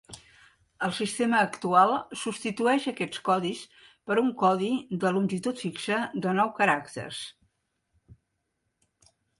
El sistema actual substitueix aquests codis per un codi de longitud fixa de nou caràcters.